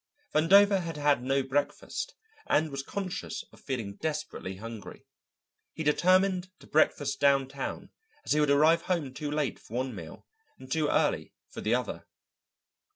Vandover had had no breakfast and was conscious of feeling desperately hungry. He determined to breakfast downtown, as he would arrive home too late for one meal and too early for the other.